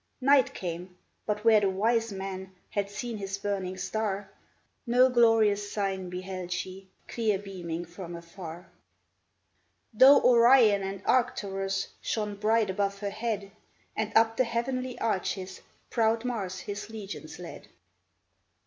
Night came — but where the Wise Men Had seen His burning star, No glorious sign beheld she Clear beaming from, afar, Though Orion and Arcturus Shone bright above her head, And up the heavenly arches Proud Mars his legions led